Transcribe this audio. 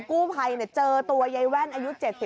กู้ภัยเจอตัวยายแว่นอายุ๗๒